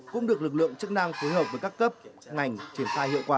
cũng được lực lượng chức năng phối hợp với các cấp ngành triển khai hiệu quả